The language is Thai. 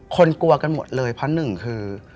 กลัวกันหมดเลยเพราะหนึ่งคือ